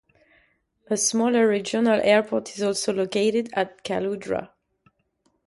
A smaller regional airport is also located at Caloundra.